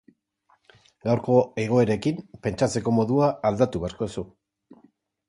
Gaurko egoerekin pentsatzeko modua aldatu beharko duzu.